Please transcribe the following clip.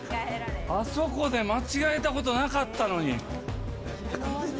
あそこで間違えたことなかったのに。